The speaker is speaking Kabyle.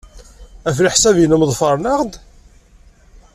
Ɣef leḥsab-nnem, ḍefren-aɣ-d?